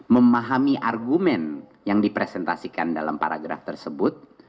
memahami argumen yang dipresentasikan dalam paragraf tersebut